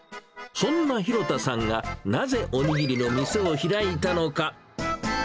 そんな廣田さんがなぜおにぎりの店を開いたのか。